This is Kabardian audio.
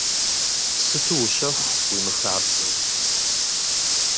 Сыту ущэху, уимыхабзэу.